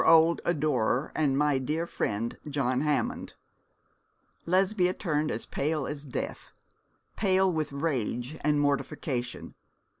'Your old adorer, and my dear friend, John Hammond.' Lesbia turned as pale as death pale with rage and mortification.